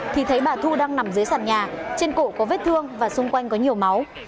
thì thấy bà thu đang nằm dưới sàn nhà trên cổ có vết thương và xung quanh có nhiều máu